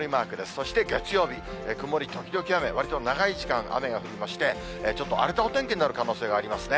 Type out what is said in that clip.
そして月曜日、曇り時々雨、わりと長い時間、雨が降りまして、ちょっと荒れたお天気になる可能性がありますね。